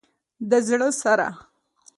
د زړه سره